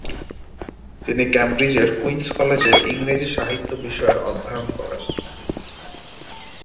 তিনি ক্যামব্রিজের কুইন্স কলেজে ইংরেজি সাহিত্য বিষয়ে অধ্যয়ন করেন।